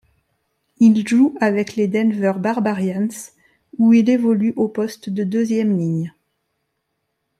Il joue avec les Denver Barbarians où il évolue au poste de deuxième ligne.